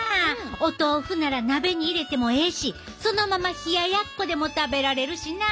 お豆腐なら鍋に入れてもええしそのまま冷ややっこでも食べられるしな。